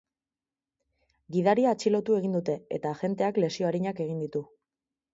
Gidaria atxilotu egin dute, eta agenteak lesio arinak egin ditu.